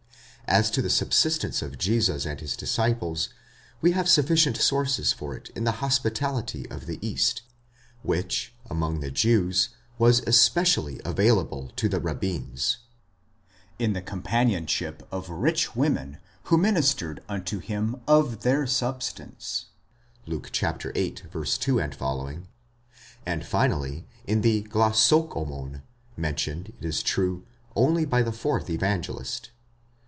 As to the subsistence of Jesus and his disciples, we have sufficient sources for it in the hospitality of the East, which, among the Jews, was especially available to the rabbins ; in the companionship of rich women who ministered unto him of their substance (Luke viii. 2 f.) ; and finally in the γλωσσόκομον, mentioned, it is true, only by the fourth Evangelist (xii.